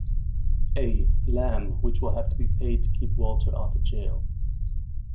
A. Lamb, which will have to be paid to keep Walter out of jail.